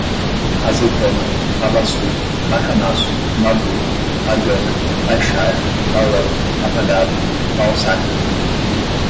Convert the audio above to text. azeitona, babaçú, bacanaço, badú, bagana, baixar, balão apagado, balzáquia